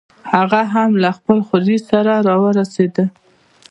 هغه هم له خپل خوریي سره راورسېد.